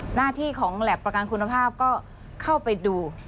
หน้าที่ของแหลบประกันคุณภาพก็เข้าไปดู